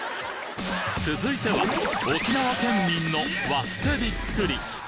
続いては沖縄県民の割ってビックリ！